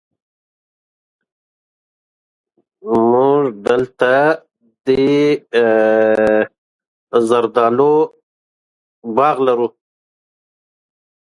It belongs to the Choco language family.